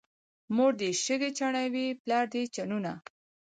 مور دې شګې چڼوي، پلار دې چنونه.